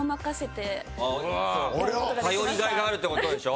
頼りがいがあるって事でしょ？